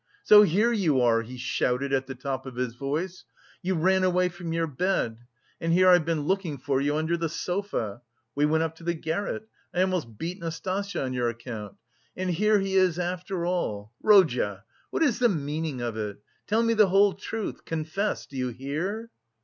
"So here you are!" he shouted at the top of his voice "you ran away from your bed! And here I've been looking for you under the sofa! We went up to the garret. I almost beat Nastasya on your account. And here he is after all. Rodya! What is the meaning of it? Tell me the whole truth! Confess! Do you hear?"